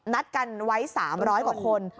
นัดกันไว้๓๐๐กว่าคน